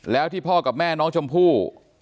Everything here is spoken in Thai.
แล้วที่พ่อกับแม่น้องชมพู่